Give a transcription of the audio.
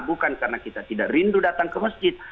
bukan karena kita tidak rindu datang ke masjid